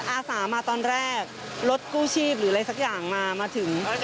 อาสามาตอนแรกรถกู้ชีพหรืออะไรสักอย่างมามาถึง